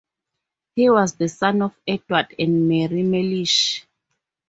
He was the son of Edward and Mary Mellish.